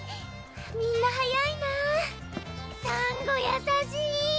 みんな速いなぁさんご優しい！